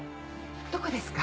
どこですか？